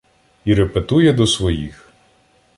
І репетує до своїх: